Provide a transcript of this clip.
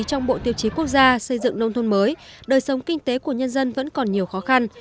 trong bộ tiêu chí quốc gia xây dựng nông thôn mới đời sống kinh tế của nhân dân vẫn còn nhiều khó khăn